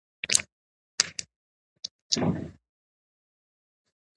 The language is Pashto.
مور د کورنۍ غړو ته د تمرین اهمیت ښيي.